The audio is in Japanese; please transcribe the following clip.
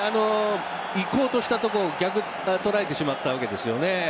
いこうとしたところ逆に捉えられてしまったわけですね。